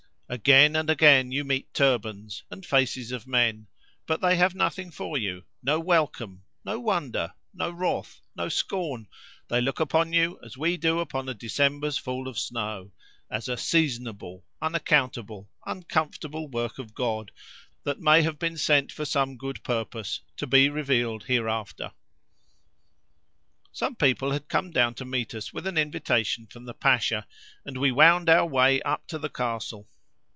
Again and again you meet turbans, and faces of men, but they have nothing for you—no welcome—no wonder—no wrath—no scorn—they look upon you as we do upon a December's fall of snow—as a "seasonable," unaccountable, uncomfortable work of God, that may have been sent for some good purpose, to be revealed hereafter. Some people had come down to meet us with an invitation from the Pasha, and we wound our way up to the castle.